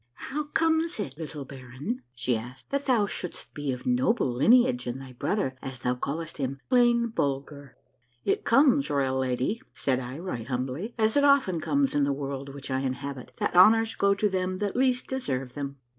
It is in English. "How comes it, little baron," she asked, "that thou shouldst be of noble lineage and thy brother, as thou callest him, plain Bulger?" " It comes, royal lady," said I right humbly, " as it often comes in the world which I inhabit, that honors go to them that least deserve them."